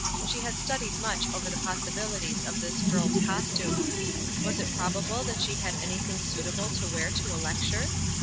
She had studied much over the possibilities of this girl's costume. Was it probable that she had anything suitable to wear to a lecture?